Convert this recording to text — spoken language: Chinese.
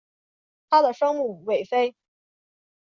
她的生母韦妃。